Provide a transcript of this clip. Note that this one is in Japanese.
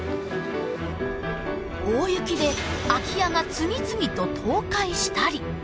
大雪で空き家が次々と倒壊したり。